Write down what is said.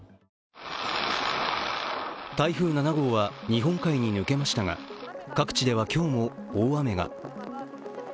台風７号は日本海に抜けましたが、各地では今日も大雨が。